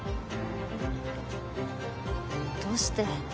どうして。